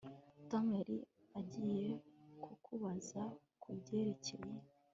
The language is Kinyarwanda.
Tom yari agiye kukubaza kubyerekeye